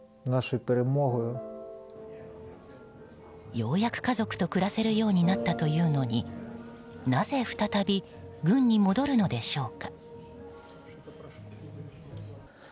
ようやく家族と暮らせるようになったというのになぜ再び軍に戻るでしょうか。